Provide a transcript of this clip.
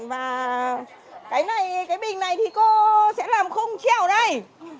và cái này cái bình này thì cô sẽ làm không treo đây